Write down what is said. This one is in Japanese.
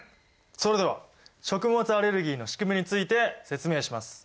それでは食物アレルギーのしくみについて説明します。